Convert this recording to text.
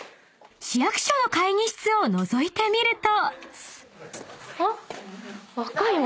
［市役所の会議室をのぞいてみると］